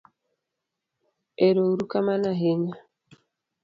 erouru kamano ahinya